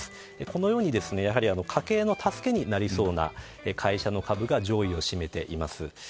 このように家計の助けになりそうな会社の株が上位を占めています。